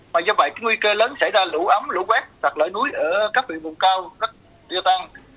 và do vậy nguy cơ lớn xảy ra lũ ấm lũ quét sạt lởi núi ở các vị vùng cao rất tiêu tăng